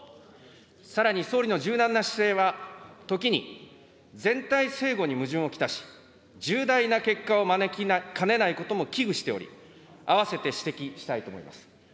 さらに総理の柔軟な姿勢は、時に全体整合に矛盾を来し、重大な結果を招きかねないことも危惧しており、併せて指摘したいと思います。